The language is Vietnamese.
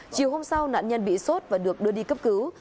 chiều hôm sau nạn nhân bị sốt và được đưa đi cấp cứu